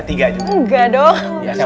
buat tadi aja nih buat tadi aja salah satu